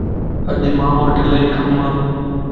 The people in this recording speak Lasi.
اڄ مانوٽ الائي ڪمَ